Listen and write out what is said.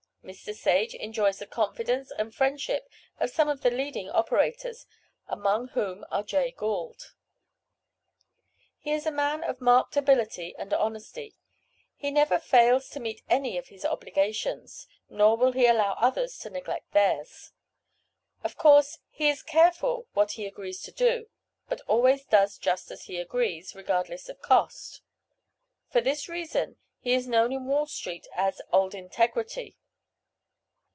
Mr. Sage enjoys the confidence and friendship of some of the leading operators, among whom are Jay Gould. He is a man of marked ability, and honesty. He never fails to meet any of his obligations, nor will he allow others to neglect theirs. Of course, he is careful what he agrees to do, but always does just as he agrees, regardless of cost. For this reason he is known in Wall street as "Old Integrity."